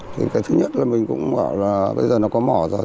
thì cái thứ nhất là mình cũng bảo là bây giờ nó có mỏ rồi